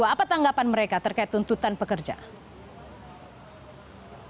apa tanggapan mereka terkait tuntutan pekerja